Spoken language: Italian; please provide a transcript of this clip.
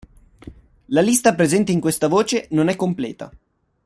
La lista presente in questa voce non è completa.